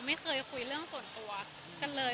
ไม่เคยคุยเรื่องส่วนตัวกันเลย